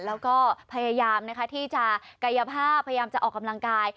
แล้วก็พยายามนะคะที่จะกายภาพพยายามจะออกกำลังกาย